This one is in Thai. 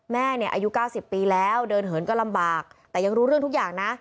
แม่เนี่ยอายุ๙๐ปีแล้วเดินเหินก็ลำบากแต่ยังรู้เรื่องทุกอย่างนะ